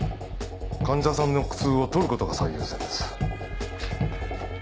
患者さんの苦痛を取ることが最優先です。